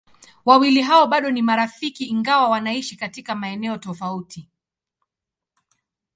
Wawili hao bado ni marafiki ingawa wanaishi katika maeneo tofauti.